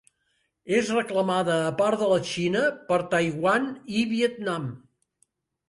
És reclamada a part de la Xina, per Taiwan i Vietnam.